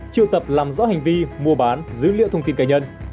triệu tập làm rõ hành vi mua bán dữ liệu thông tin cá nhân